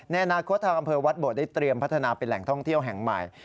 ในอนาคตทางอำเภอวัดโบดได้เตรียมพัฒนาเป็นแหล่งท่องเที่ยวแห่งใหม่